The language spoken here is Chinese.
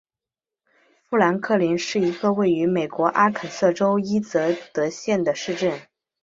富兰克林是一个位于美国阿肯色州伊泽德县的市镇。